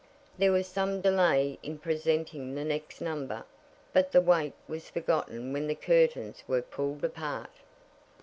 There was some delay in presenting the next number, but the wait was forgotten when the curtains were pulled apart.